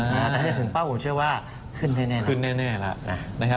แต่ถ้าถึงเป้าผมเชื่อว่าขึ้นแน่แล้ว